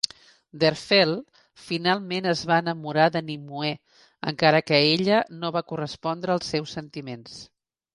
Derfel finalment es va enamorar de Nimue, encara que ella no va correspondre els seus sentiments.